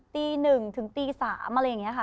ตี๑ถึง๓เลยอย่างนี้ค่ะ